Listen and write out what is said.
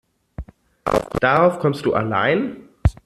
Darauf kommst du allein?